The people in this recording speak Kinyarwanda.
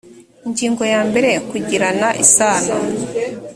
ingingo ya mbere kugirana isano